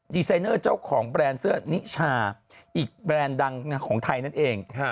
ไซเนอร์เจ้าของแบรนด์เสื้อนิชาอีกแบรนด์ดังของไทยนั่นเอง